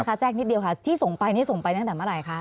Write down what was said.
แทรกนิดเดียวค่ะที่ส่งไปนี่ส่งไปตั้งแต่เมื่อไหร่คะ